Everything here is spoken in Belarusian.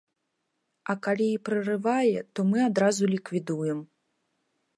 А калі і прарывае, то мы адразу ліквідуем.